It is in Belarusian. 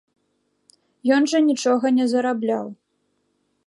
Ён жа нічога не зарабляў.